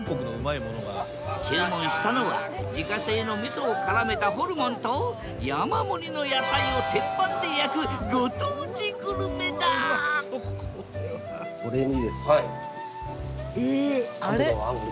注文したのは自家製のみそをからめたホルモンと山盛りの野菜を鉄板で焼くこれにですね。